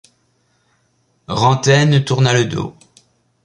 Rantaine tourna le dos.